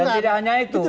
dan tidak hanya itu